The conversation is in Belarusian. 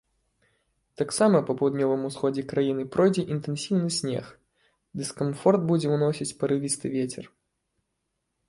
Таксама па паўднёвым усходзе краіны пройдзе інтэнсіўны снег, дыскамфорт будзе ўносіць парывісты вецер.